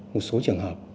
một số trường hợp